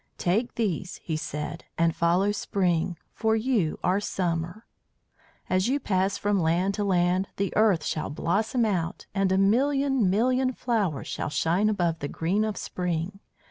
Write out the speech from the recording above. "Take these," he said, "and follow Spring, for you are Summer. As you pass from land to land the earth shall blossom out, and a million million flowers shall shine above the green of Spring.